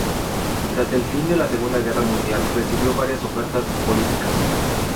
Tras el fin de la Segunda Guerra Mundial recibió varias ofertas políticas.